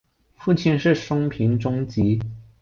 父亲是松平忠吉。